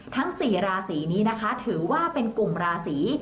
ทั้ง๔ราศีนี้นะคะถือว่าเป็นกลุ่มราศี